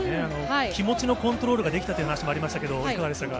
気持ちのコントロールができたという話もありましたけど、いかがでしたか？